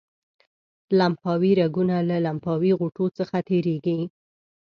لمفاوي رګونه له لمفاوي غوټو څخه تیریږي.